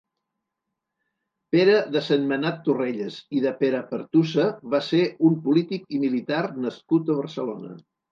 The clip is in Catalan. Pere de Sentmenat-Torrelles i de Perapertusa va ser un polític i militar nascut a Barcelona.